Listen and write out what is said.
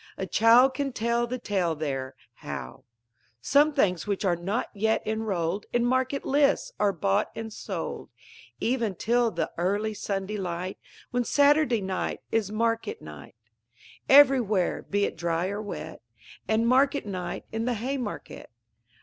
A child can tell the tale there, how Some things which are not yet enrol'd In market lists are bought and sold, Even till the early Sunday light, When Saturday night is market night Everywhere, be it dry or wet, And market night in the Haymarket.